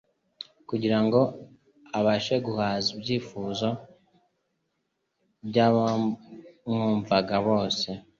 kugira ngo abashe guhaza ibyifuzo by'abamwumvaga bose.